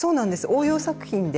応用作品で。